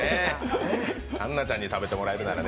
環奈ちゃんに食べてもらえるならね。